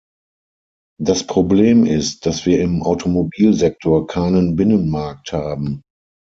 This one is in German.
Das Problem ist, dass wir im Automobilsektor keinen Binnenmarkt haben.